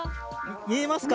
見えますか？